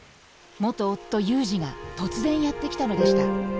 元夫祐二が突然やって来たのでした。